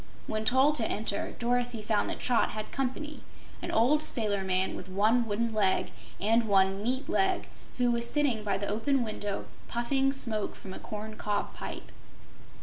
When told to enter, Dorothy found that Trot had company, an old sailor man with one wooden leg and one meat leg, who was sitting by the open window puffing smoke from a corn cob pipe.